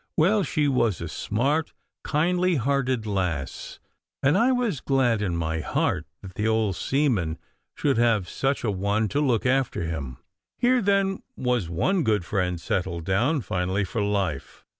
Well, she was a smart, kindly hearted lass, and I was glad in my heart that the old seaman should have such a one to look after him. Here, then, was one good friend settled down finally for life.